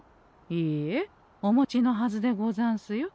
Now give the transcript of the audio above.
いいえお持ちのはずでござんすよ。